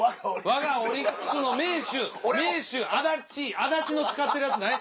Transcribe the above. わがオリックスの名手安達安達の使ってるやつない？